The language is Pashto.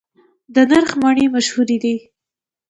د نرخ مڼې مشهورې دي